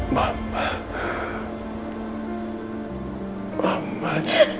jangan sampai tak